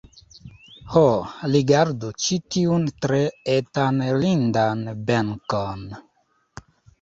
Ho, rigardu ĉi tiun tre etan lindan benkon!